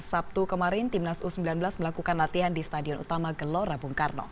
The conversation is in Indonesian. sabtu kemarin timnas u sembilan belas melakukan latihan di stadion utama gelora bung karno